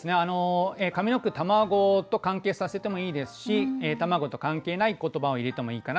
上の句卵と関係させてもいいですし卵と関係ない言葉を入れてもいいかなと思いますね。